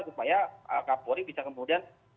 supaya kak polri bisa kemudian